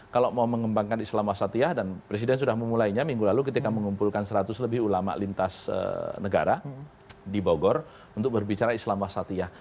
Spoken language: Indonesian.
kalau mau mengembangkan islam wasatiyah dan presiden sudah memulainya minggu lalu ketika mengumpulkan seratus lebih ulama lintas negara di bogor untuk berbicara islam wasatiyah